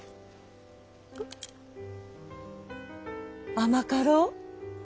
甘かろう？